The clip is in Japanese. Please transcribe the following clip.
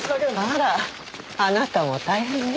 あらあなたも大変ね。